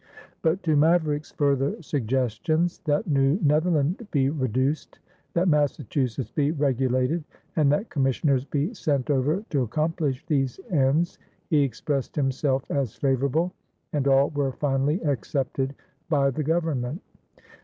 But to Maverick's further suggestions that New Netherland be reduced, that Massachusetts be regulated, and that commissioners be sent over to accomplish these ends, he expressed himself as favorable, and all were finally accepted by the Government.